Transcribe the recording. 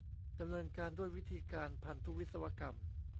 ดำเนินการด้วยวิธีการพันธุวิศวกรรม